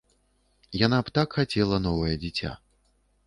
Яна б так хацела новае дзіця.